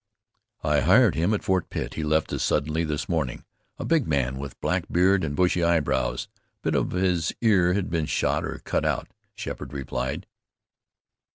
"I hired him at Fort Pitt. He left us suddenly this morning. A big man, with black beard and bushy eyebrows. A bit of his ear had been shot or cut out," Sheppard replied.